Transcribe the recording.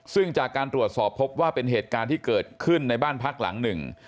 ซึ่งจากการตรวจสอบพบว่าเป็นเหตุการณ์ที่เกิดขึ้นในบ้านพักหลังหนึ่ง